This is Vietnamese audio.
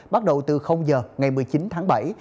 bắt đầu từ giờ ngày một mươi chín tháng bảy